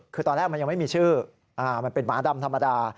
คือตอนแรกมันยังไม่มีชื่อมันเป็นหมาดำธรรมดา